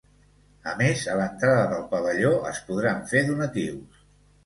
A més, a l’entrada al pavelló es podran fer donatius.